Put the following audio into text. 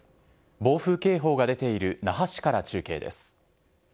暴風警報が出ている那覇市から中継です。